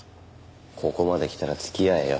ここまで来たら付き合えよ。